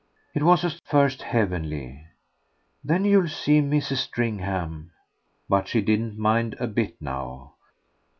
It was at first heavenly. "Then you'll see Mrs. Stringham." But she didn't mind a bit now.